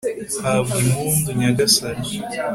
habwa impundu nyagasani